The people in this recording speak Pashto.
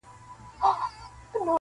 پاچهي د جهان ورکړې نه مړیږي-